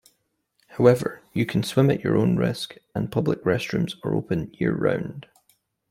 However, you can swim at your own risk and public restrooms are open year-round.